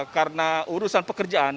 karena urusan pekerjaan